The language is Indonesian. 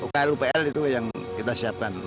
uklu pl itu yang kita siapkan